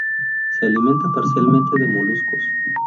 Se alimenta parcialmente de moluscos.